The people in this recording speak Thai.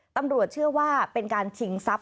ตำรวจเชื่อว่าเป็นการชิงทรัพย